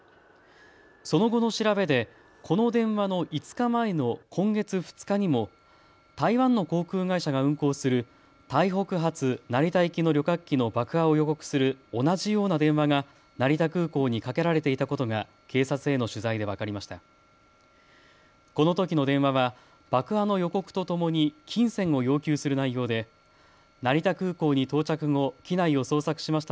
その後の調べでこの電話の５日前の今月２日にも台湾の航空会社が運航する台北発成田行きの旅客機の爆破を予告する同じような電話が成田空港にかけられていたことが警察への取材で分かりました。